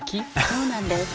そうなんです！